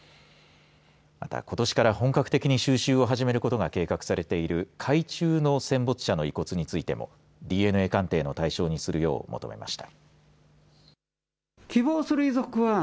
また、ことしから本格的に収集を始めることが計画されている海中の戦没者の遺骨についてもＤＮＡ鑑定の対象にするよう求めました。